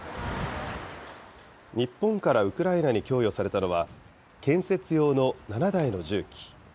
日本からウクライナに供与されたのは、建設用の７台の重機。